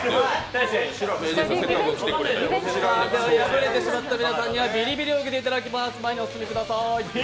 敗れてしまった皆さんにはビリビリをうけていただきます。